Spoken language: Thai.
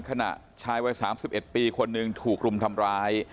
ชายวัย๓๑ปีคนหนึ่งถูกรุมทำร้าย